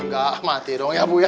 enggak mati dong ya bu ya